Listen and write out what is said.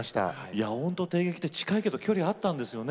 いやほんと帝劇って近いけど距離があったんですよね。